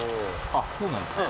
あっそうなんですね。